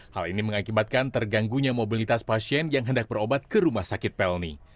hal ini mengakibatkan terganggunya mobilitas pasien yang hendak berobat ke rumah sakit pelni